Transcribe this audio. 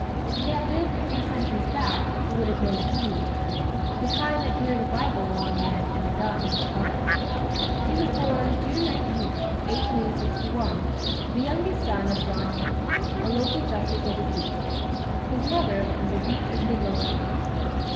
If he had lived a few centuries back he would have been a Covenanter the kind that carried a Bible in one hand and a gun in the other. He was born, June 19, 1861, the youngest son of John Haig, a local Justice of the Peace. His mother was a Veitch of Midlothian.